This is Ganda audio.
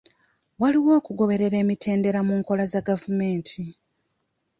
Waliwo okugoberera emitendera mu nkola za gavumenti.